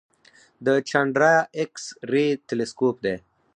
د چانډرا ایکس رې تلسکوپ دی.